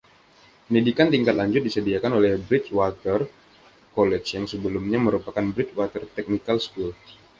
Pendidikan Tingkat Lanjut disediakan oleh Bridgwater College yang sebelumnya merupakan Bridgwater Technical School.